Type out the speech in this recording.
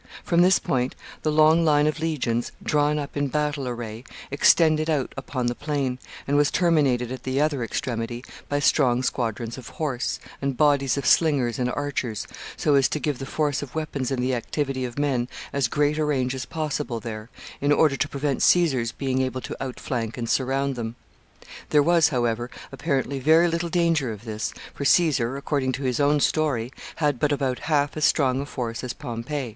From this point, the long line of legions, drawn up in battle array, extended out upon the plain, and was terminated at the other extremity by strong squadrons of horse, and bodies of slingers and archers, so as to give the force of weapons and the activity of men as great a range as possible there, in order to prevent Caesar's being able to outflank and surround them There was, however, apparently very little danger of this, for Caesar, according to his own story, had but about half as strong a force as Pompey.